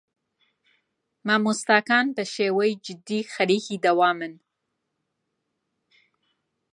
مامۆستاکان بەشێوەی جدی خەریکی دەوامن.